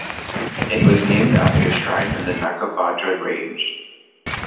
It was named after a shrine in the Nakauvadra range.